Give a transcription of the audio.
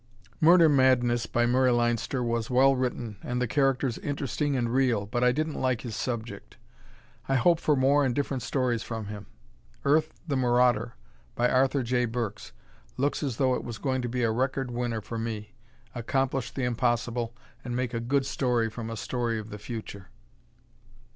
"Murder Madness," by Murray Leinster was well written and the characters interesting and real but I didn't like his subject. I hope for more and different stories from him. "Earth, the Marauder," by Arthur J. Burks looks as though it was going to be a record winner for me accomplish the impossible, and make a good story from a story of the future.